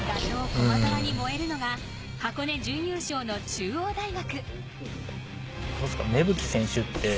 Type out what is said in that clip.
・駒澤に燃えるのが箱根準優勝の中央大学。